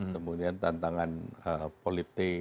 kemudian tantangan politik